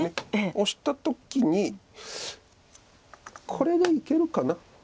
オシた時にこれがいけるかな。